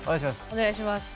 お願いします。